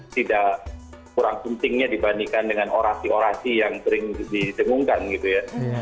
tidak kurang pentingnya dibandingkan dengan orasi orasi yang sering didengungkan gitu ya